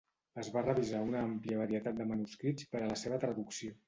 Es va revisar una àmplia varietat de manuscrits per a la seva traducció.